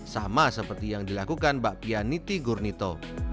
sama seperti yang dilakukan bapia niti gurnito